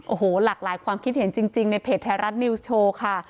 โอ้โหหลากหลายความคิดเห็นจริงในเพจไทยรัฐนิวส์โชว์ค่ะ